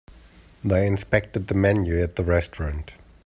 They inspected the menu at the restaurant.